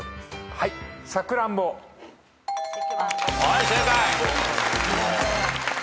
はい正解。